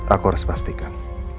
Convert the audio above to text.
aku harus pastikan